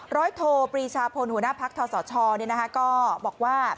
ร้อยโทปรีชาพลหัวหน้าภักดิ์ทศชเนี่ยนะฮะก็บอกว่า